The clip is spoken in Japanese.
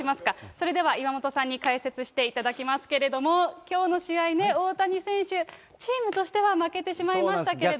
それでは岩本さんに解説していただきますけれども、きょうの試合、大谷選手、チームとしては負けてしまいましたけれども。